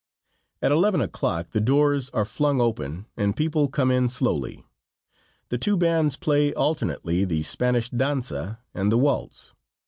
At 11 o'clock the doors are flung open and people come in slowly. The two bands play alternately the Spanish danza and the waltz.